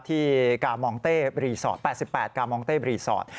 ที่กามองเต้รีสอร์ท๘๘กามองเต้รีสอร์ท